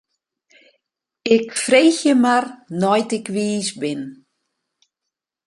Ik freegje mar nei't ik wiis bin.